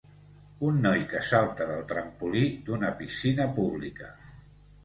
Un noi que salta del trampolí d'una piscina pública.